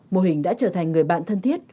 mô hình đã trở thành người bạn thân thiết